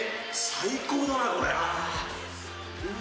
最高だな、これ。